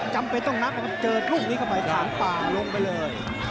จำเป็นต้องนับนะครับเจอลูกนี้เข้าไปถางป่าลงไปเลย